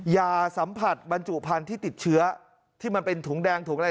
อย่าสัมผัสบรรจุพันธุ์ที่ติดเชื้อที่มันเป็นถุงแดงถุงอะไร